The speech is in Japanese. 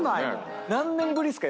何年ぶりっすか？